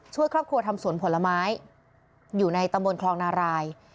ช่วยครอบครัวทำสวนผลไม้อยู่ในตำบลคลองนาราย